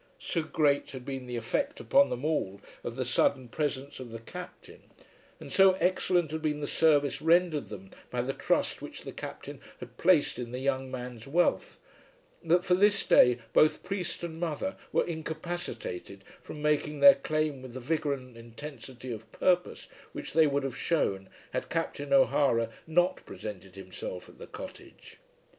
So great had been the effect upon them all of the sudden presence of the Captain, and so excellent had been the service rendered them by the trust which the Captain had placed in the young man's wealth, that for this day both priest and mother were incapacitated from making their claim with the vigour and intensity of purpose which they would have shewn had Captain O'Hara not presented himself at the cottage.